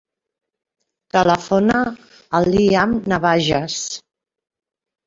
Telefona al Liam Navajas.